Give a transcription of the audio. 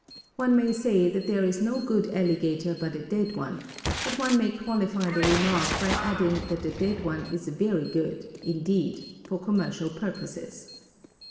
One may say that there is no good alligator but a dead one, but one may qualify the remark by adding that the dead one is very good, indeed, for commercial purposes.